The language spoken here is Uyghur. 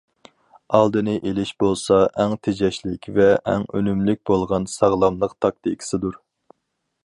ئالدىنى ئېلىش بولسا، ئەڭ تېجەشلىك ۋە ئەڭ ئۈنۈملۈك بولغان ساغلاملىق تاكتىكىسىدۇر.